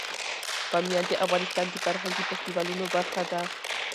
بامیان د افغانستان د فرهنګي فستیوالونو برخه ده.